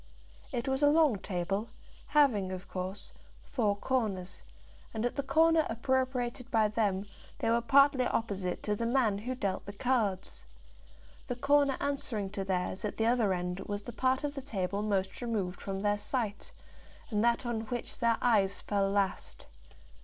It was a long table, having, of course, four corners, and at the corner appropriated by them they were partly opposite to the man who dealt the cards. The corner answering to theirs at the other end was the part of the table most removed from their sight, and that on which their eyes fell last.